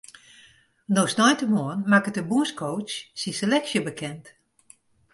No sneintemoarn makket de bûnscoach syn seleksje bekend.